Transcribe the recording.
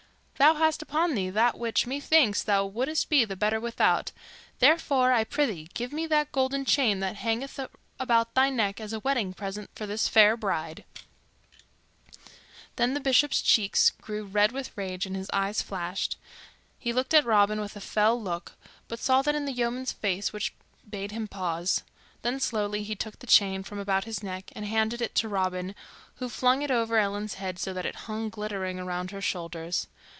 Thou hast upon thee that which, methinks, thou wouldst be the better without; therefore, I prythee, give me that golden chain that hangeth about thy neck as a wedding present for this fair bride." Then the Bishop's cheeks grew red with rage and his eyes flashed. He looked at Robin with a fell look, but saw that in the yeoman's face which bade him pause. Then slowly he took the chain from about his neck and handed it to Robin, who flung it over Ellen's head so that it hung glittering about her shoulders.